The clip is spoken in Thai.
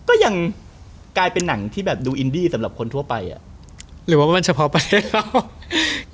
ก็ยังกลายเป็นหนังที่แบบดูอินดี้สำหรับคนทั่วไปอ่ะหรือว่ามันเฉพาะประเทศเรา